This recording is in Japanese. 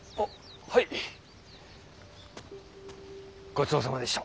ごちそうさまでした。